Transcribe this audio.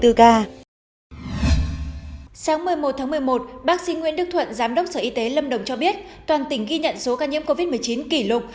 đức thuận giám đốc sở y tế lâm đồng cho biết toàn tỉnh ghi nhận số ca nhiễm covid một mươi chín kỷ lục